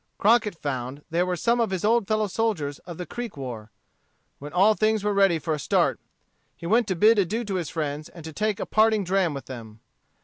Crockett found there some of his old fellow soldiers of the Creek War. When all things were ready for a start, he went to bid adieu to his friends and to take a parting dram with them.